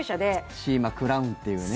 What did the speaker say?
シーマクラウンっていうね。